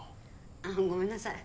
ああごめんなさい。